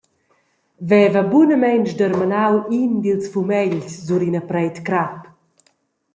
Veva bunamein sdermenau in dils fumegls sur ina preit crap.